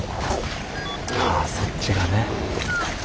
ああそっちがね。